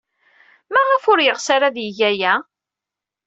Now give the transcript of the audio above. Maɣef ur yeɣs ara ad yeg aya?